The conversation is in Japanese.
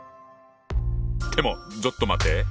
でもちょっと待って。